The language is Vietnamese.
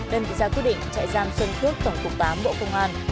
đơn vị gia quyết định chạy giam xuân phước tổng phục ván bộ công an